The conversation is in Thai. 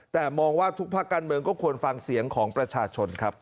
แต่มองว่าทุกภาคการเมืองก็ควรฟังเสียงของประชาชนครับ